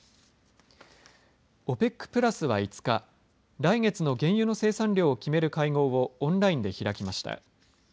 ＯＰＥＣプラスは５日来月の原油の生産量を決める会合をオンラインで開きました。